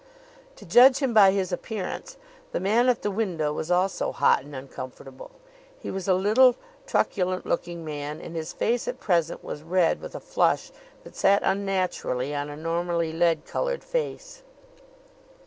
To judge him by his appearance, the man at the window was also hot and uncomfortable. He was a little, truculent looking man, and his face at present was red with a flush that sat unnaturally on a normally lead colored face.